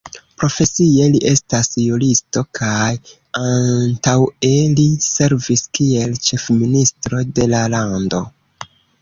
Profesie li estas juristo kaj antaŭe li servis kiel ĉefministro de la lando.